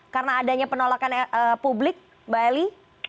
karena adanya penolakan publik bali